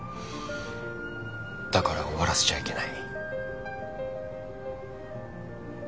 だから終わらせちゃいけない。